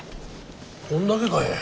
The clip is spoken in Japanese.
こんだけかえ。